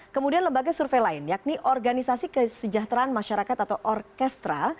kemudian lembaga survei lain yakni organisasi kesejahteraan masyarakat atau orkestra